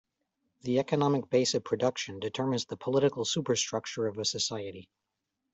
The economic base of production determines the political superstructure of a society.